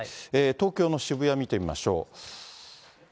東京の渋谷、見てみましょう。